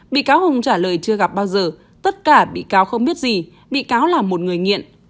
bị cáo hùng trả lời chưa gặp bao giờ tất cả bị cáo không biết gì bị cáo là một người nghiện